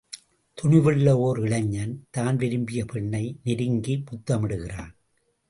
துணிவுள்ள ஓர் இளைஞன் தான் விரும்பிய பெண்ணை நெருங்கி முத்தமிடுகிறான்.